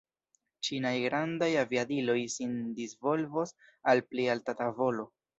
Ĉinaj grandaj aviadiloj sin disvolvos al pli alta tavolo.